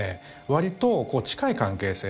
わりと近い関係性